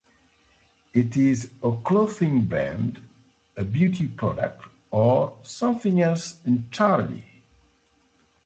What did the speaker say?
Is it a clothing brand, a beauty product, or something else entirely?